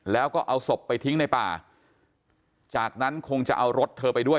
แล้วก็เอาศพไปทิ้งในป่าจากนั้นคงจะเอารถเธอไปด้วย